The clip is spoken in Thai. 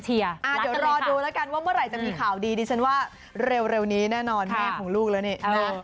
เดี๋ยวรอดูแล้วกันว่าเมื่อไหร่จะมีข่าวดีดิฉันว่าเร็วนี้แน่นอนแม่ของลูกแล้วนี่นะ